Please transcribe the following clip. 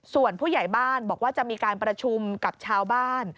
ส่วนผู้ใหญ่บ้านบอกว่าจะมีการประชุมกับชาวบ้าน